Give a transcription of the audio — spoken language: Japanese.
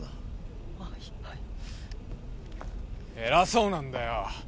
偉そうなんだよ。